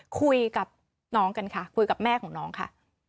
คุยกับน้องกันค่ะคุยกับแม่ของน้องค่ะ